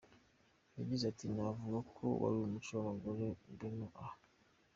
Yagize ati “Navuga ko wari umuco w’abagore b’ino aha.